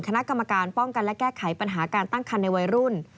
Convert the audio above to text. คณะกรรมการป้องกันและแก้ไขปัญหาการตั้งคันในวัยรุ่น